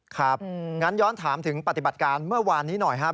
ครับงั้นย้อนถามถึงปฏิบัติการเมื่อวานนี้หน่อยครับ